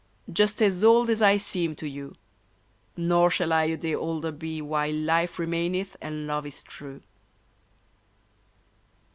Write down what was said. Just as old as I seem to you ! Nor shall I a day older be While life remaineth and love is true